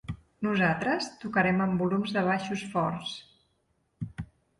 Nosaltres tocàrem amb volums de baixos forts.